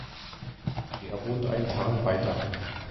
Der wohnt ein Tal weiter.